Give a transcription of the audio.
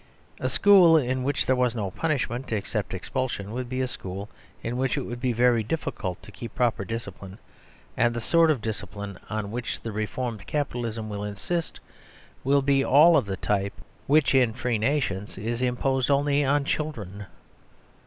A school in which there was no punishment, except expulsion, would be a school in which it would be very difficult to keep proper discipline; and the sort of discipline on which the reformed capitalism will insist will be all of the type which in free nations is imposed only on children.